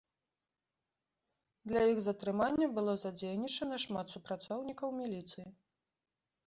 Для іх затрымання было задзейнічана шмат супрацоўнікаў міліцыі.